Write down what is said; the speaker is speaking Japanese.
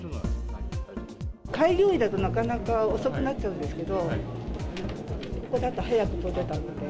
開業医だとなかなか遅くなっちゃうんですけど、ここだと早く取れたので。